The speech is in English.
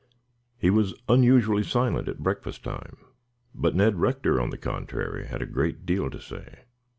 He was unusually silent at breakfast time, but Ned Rector on the contrary had a great deal to say.